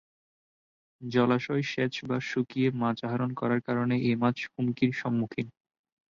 জলাশয় সেচ বা শুকিয়ে মাছ আহরণ করার কারণে এ মাছ হুমকির সম্মুখীন।